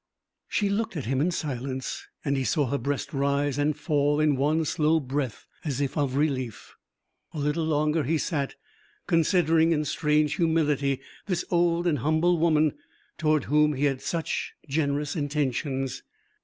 "' She looked at him in silence, and he saw her breast rise and fall in one slow breath as if of relief. A little longer he sat, considering, in strange humility, this old and humble woman toward whom he had had such generous intentions.